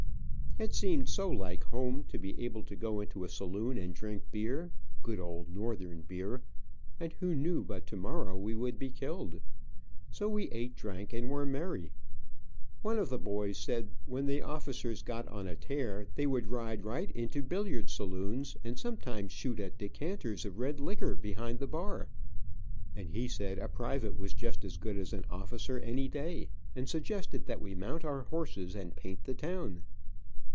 It seemed so like home to be able to go into a saloon and drink beer, good old northern beer, and who knew but tomorrow we would be killed. So we ate, drank, and were merry. One of the boys said when the officers got on a tear, they would ride right into billiard saloons, and sometime shoot at decanters of red liquor behind the bar, and he said a private was just as good as an officer any day, and suggested that we mount our horses and paint the town.